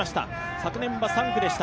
昨年は３区でした。